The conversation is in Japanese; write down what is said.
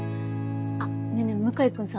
あっねぇねぇ向井君さ